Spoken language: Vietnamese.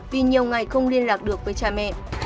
vì nhiều ngày không liên lạc được với cha mẹ